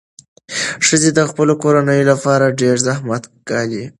ښځې د خپلو کورنیو لپاره ډېر زحمت ګالي.